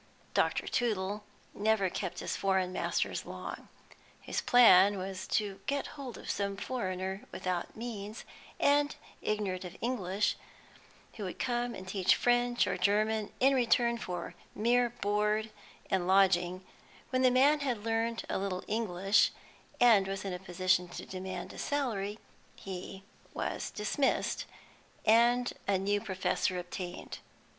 Dr. Tootle never kept his foreign masters long. His plan was to get hold of some foreigner without means, and ignorant of English, who would come and teach French or German in return for mere board and lodging; when the man had learnt a little English, and was in a position to demand a salary, he was dismissed, and a new professor obtained.